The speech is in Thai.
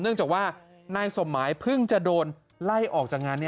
เนื่องจากว่านายสมหมายเพิ่งจะโดนไล่ออกจากงาน